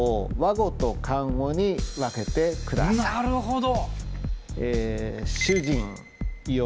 なるほど。